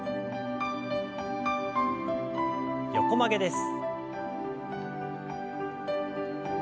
横曲げです。